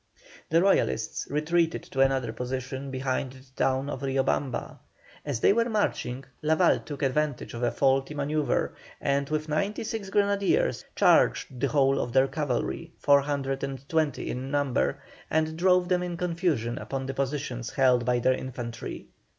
The Royalists retreated to another position behind the town of Rio Bamba. As they were marching, Lavalle took advantage of a faulty manœuvre, and with ninety six grenadiers charged the whole of their cavalry, 420 in number, and drove them in confusion upon the positions held by their infantry.